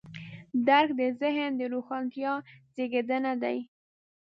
درک د ذهن د روښانتیا زېږنده دی.